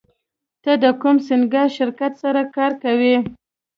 ته د کوم سینګار شرکت سره کار کوې